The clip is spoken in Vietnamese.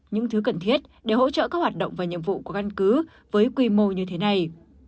những thứ cần thiết để hỗ trợ các hoạt động và nhiệm vụ của căn cứ với quy mô như thế này